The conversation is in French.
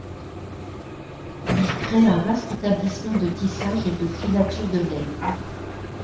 Il crée un vaste établissement de tissage et de filature de laine.